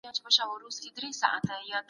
د پښتنو تاریخ نوی رنګ غوره کړ